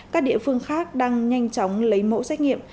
các địa phương khác đang nhanh chóng lấy mẫu xét nghiệm